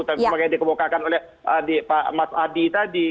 seperti yang dikebukakan oleh mas adi tadi